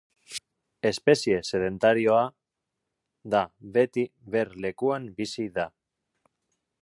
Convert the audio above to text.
Espezie sedentarioa da; beti ber lekuan bizi da.